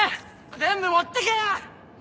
全部持ってけよ！